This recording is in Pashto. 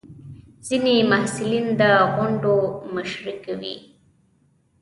ځینې محصلین د غونډو مشري کوي.